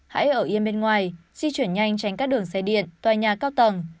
hãy ở yên bên ngoài di chuyển nhanh tránh các đường xe điện tòa nhà cao tầng